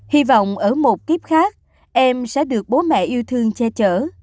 hy vọng ở một kíp khác em sẽ được bố mẹ yêu thương che chở